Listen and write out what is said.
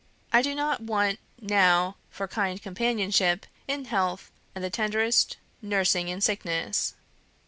I do not want now for kind companionship in health and the tenderest nursing in sickness.